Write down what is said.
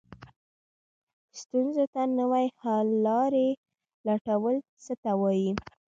ستونزو ته نوې حل لارې لټول څه ته وایي؟